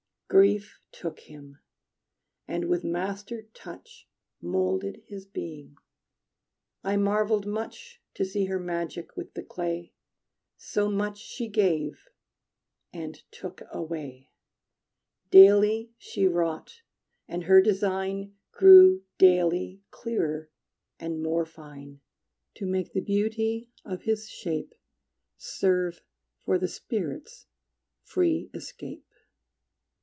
Grief took him, and with master touch Molded his being. I marveled much To see her magic with the clay, So much she gave and took away. Daily she wrought, and her design Grew daily clearer and more fine, To make the beauty of his shape Serve for the spirit's free escape.